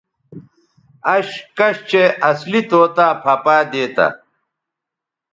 اش کش چہء اصلی طوطا پھہ پائ دیتہ